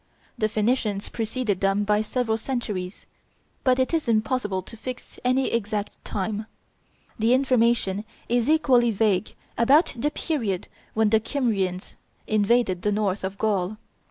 The Phoenicians preceded them by several centuries; but it is impossible to fix any exact time. The information is equally vague about the period when the Kymrians invaded the north of Gaul.